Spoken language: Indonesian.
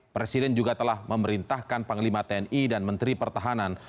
presiden juga telah memerintahkan panglima tni dan menteri pertahanan